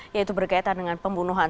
yaitu berkaitan dengan pembunuhan